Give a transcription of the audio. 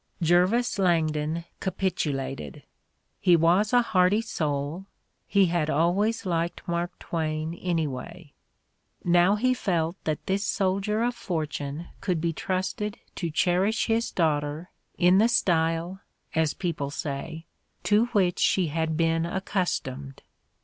Jervis Langdon capitulated: he was a hearty soul, he had always liked Mark Twain, anyway; now he felt that this soldier of fortune could be trusted to cherish his daughter in the style, as people say, to which she had been accustomed.